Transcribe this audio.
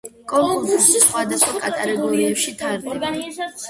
კონკურსი სხვადასხვა კატეგორიებში ტარდება.